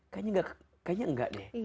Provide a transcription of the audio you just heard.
kayaknya nggak deh